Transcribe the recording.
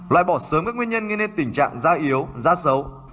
loại bỏ sớm các nguyên nhân gây nên tình trạng da yếu da xấu